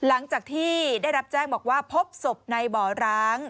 หลังจากที่ได้รับแจ้งบอกว่าพบศพในบ่อร้าง